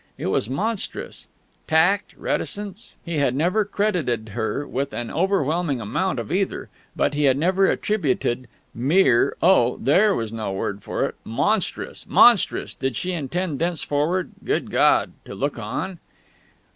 It was monstrous! tact reticence he had never credited her with an overwhelming amount of either: but he had never attributed mere oh, there was no word for it! Monstrous monstrous! Did she intend thenceforward.... Good God! To look on!...